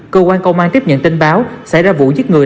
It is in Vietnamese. cơ quan công an tiếp nhận tin báo xảy ra vụ giết người